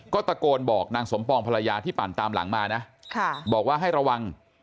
ก็ตะโกนบอกนางสมปองภรรยาที่ปั่นตามหลังมานะบอกว่าให้ระวัง